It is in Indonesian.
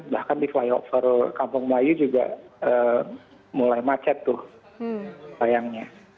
bahkan di flyover kampung melayu juga mulai macet tuh sayangnya